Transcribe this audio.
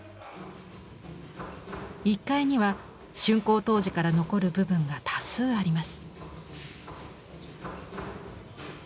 １階には竣工当時から残る部分が多数あります。